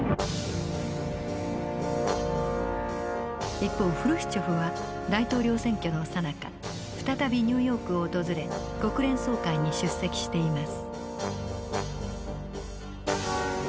一方フルシチョフは大統領選挙のさなか再びニューヨークを訪れ国連総会に出席しています。